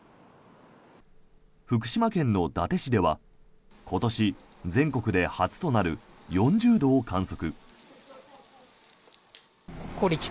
福島県の伊達市では今年、全国で初となる４０度を観測。